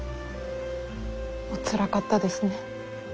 おつらかったですね。